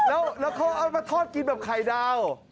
แล้วเขาเอามาทอดกินแบบไข่ดาว